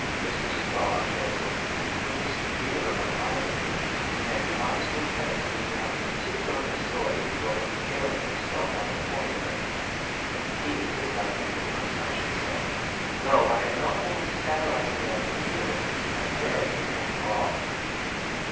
Mistress Daw carries a neat little spear of irony, and the honest lieutenant seems to have a particular facility for impaling himself on the point of it. He is not dangerous, I should say; though I have known a woman to satirize a man for years, and marry him after all.